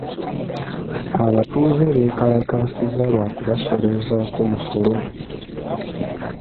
Abatuuze beekalakaasizza lwa kubasooloozaako musolo mungi.